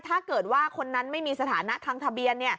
ถ้าเกิดว่าคนนั้นไม่มีสถานะทางทะเบียน